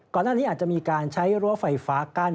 ก่อนหน้านี้อาจจะมีการใช้รั้วไฟฟ้ากั้น